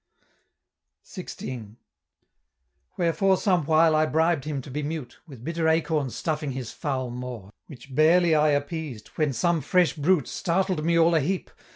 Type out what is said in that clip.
XVI. "Wherefore some while I bribed him to be mute, With bitter acorns stuffing his foul maw, Which barely I appeased, when some fresh bruit Startled me all aheap!